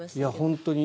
本当に。